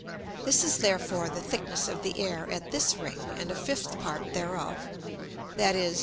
This is therefore the Thickness of the Air at this Ring, and a fifth Part thereof, _viz.